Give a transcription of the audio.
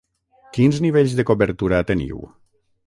Quins nivells de cobertura teniu?